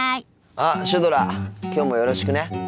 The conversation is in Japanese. あっシュドラきょうもよろしくね。